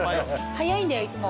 早いんだよいつも。